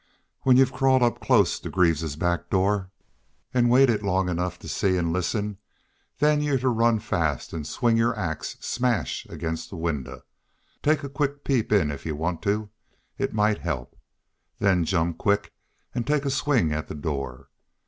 Wal, when y'u've crawled up close to Greaves's back door, an' waited long enough to see an' listen then you're to run fast an' swing your ax smash ag'in' the winder. Take a quick peep in if y'u want to. It might help. Then jump quick an' take a swing at the door.